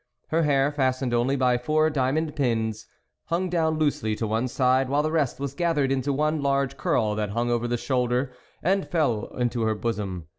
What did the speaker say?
Her hair, fastened only by four diamond pins, hung down loosely to one side, while the rest was gathered into one large curl that hung over the other shoulder and fell into her bosom.